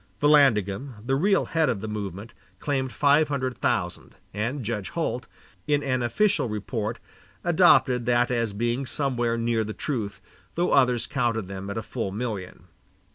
Vallandigham, the real head of the movement, claimed five hundred thousand, and Judge Holt, in an official report, adopted that as being somewhere near the truth, though others counted them at a full million.